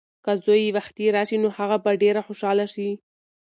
که زوی یې وختي راشي نو هغه به ډېره خوشحاله شي.